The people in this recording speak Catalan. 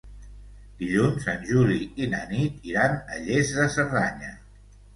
Dilluns en Juli i na Nit iran a Lles de Cerdanya.